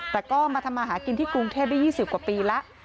แต่ก็มาทำมาหากินที่กรุงเทพได้๒๐กว่าปีแล้ว